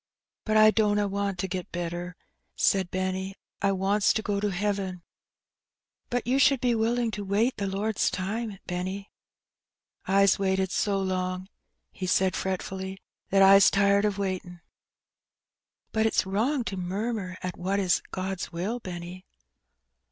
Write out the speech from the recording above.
But I dunna want to get better," said Benny; "I wants to go to heaven/' "But you should be willing to wait the Lord's time, Benny." '^Fs waited so long/' he said fretfully, '^that Fs tired of waitin'." '^But it's wrong to murmur at what is God's will, Benny."